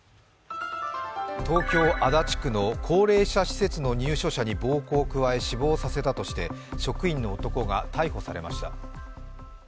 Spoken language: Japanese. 東京・足立区の高齢者施設の入所者に暴行を加え死亡させたとして、職員の男が逮捕されました。